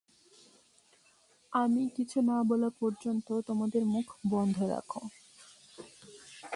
আমি কিছু না বলা পর্যন্ত, তোমাদের মুখ বন্ধ রাখো।